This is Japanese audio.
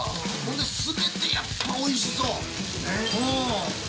全て、やっぱおいしそう！